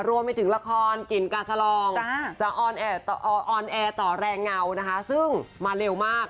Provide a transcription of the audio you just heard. รวมไว้ถึงละครกลิ่นกาสลองจะต่อ๐๐ใหล่ง้าวซึ่งมาเร็วมาก